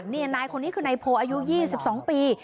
นี่นายคนนี้คือนายโพอายุ๒๒ปี